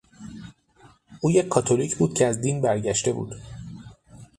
او یک کاتولیک بود که از دین برگشته بود.